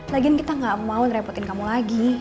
lagian kita gak mau ngerepotin kamu lagi